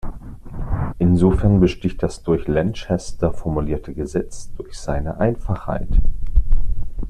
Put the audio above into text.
Insofern besticht das durch Lanchester formulierte Gesetz durch seine Einfachheit.